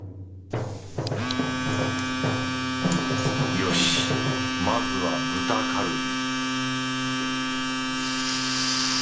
よしまずは豚カルビ